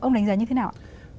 ông đánh giá như thế nào ạ